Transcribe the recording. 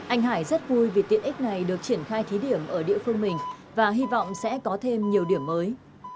anh hải rất vui vì tiện ích này được triển khai thí điểm ở địa phương mình và hy vọng sẽ có thêm nhiều điểm mới